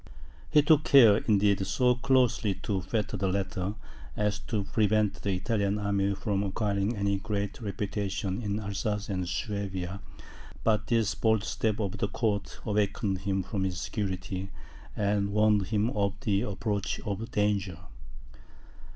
He took care, indeed, so closely to fetter the latter, as to prevent the Italian army from acquiring any great reputation in Alsace and Swabia; but this bold step of the court awakened him from his security, and warned him of the approach of danger.